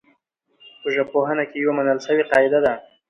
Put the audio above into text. په ژبپوهنه کي يوه منل سوې قاعده ده.